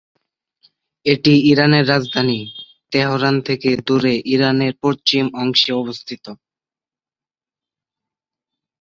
এটি ইরানের রাজধানী তেহরান থেকে দুরে ইরানের পশ্চিম অংশে অবস্থিত।